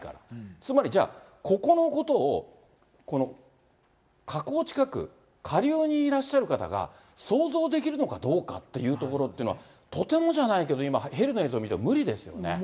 つまりじゃあ、ここのことをこの河口近く、下流にいらっしゃる方が、想像できるのかどうかっていうところっていうのは、とてもじゃないけど今、ヘリの映像を見ても無理ですよね。